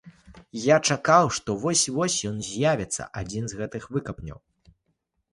Я чакаў, што вось-вось ён з'явіцца, адзін з гэтых выкапняў.